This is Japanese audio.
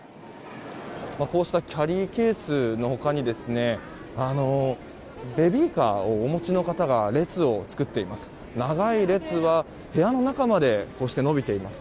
こうしたキャリーケースの他にベビーカーをお持ちの方が列を作っています。